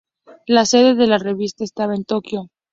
La sede de la revista estaba en Tokio.